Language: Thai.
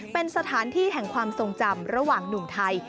เป็นสถานที่แห่งความทรงจำระหว่างหนุ่มไทย